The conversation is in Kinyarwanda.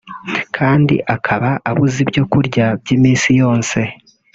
kandi akaba abuze ibyo kurya by’iminsi yose